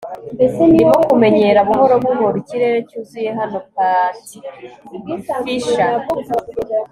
ndimo kumenyera buhoro buhoro ikirere cyuzuye hano patgfisher